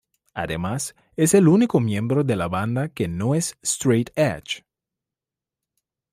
Además, es el único miembro de la banda que no es "straight edge".